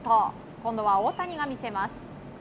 今度は大谷が見せます。